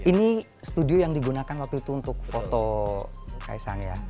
mas riyu ini studio yang digunakan waktu itu untuk foto kaesang ya